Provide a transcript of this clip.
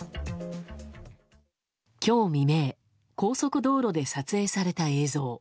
今日未明高速道路で撮影された映像。